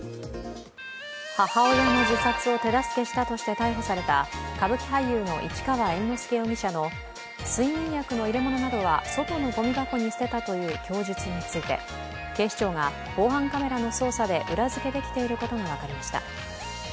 母親の自殺を手助けしたとして逮捕された歌舞伎俳優の市川猿之助容疑者の睡眠薬の入れ物などは外のごみ箱に捨てたという供述について警視庁が防犯カメラの捜査で裏付けできていることが分かりました。